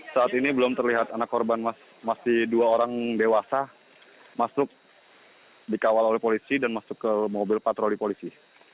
saat ini belum terlihat anak korban masih dua orang dewasa masuk dikawal oleh polisi dan masuk ke mobil patroli polisi